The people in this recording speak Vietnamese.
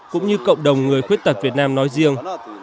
cũng như cộng đồng người khuyết tật việt nam nói riêng